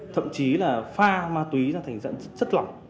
thậm chí là pha ma túy nó thành dẫn chất lỏng